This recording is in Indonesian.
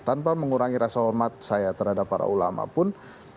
tanpa mengurangi rasa hormat saya terhadap para ulama pun